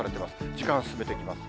時間進めていきます。